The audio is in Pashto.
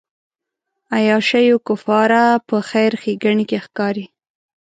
عیاشیو کفاره په خیر ښېګڼې کې ښکاري.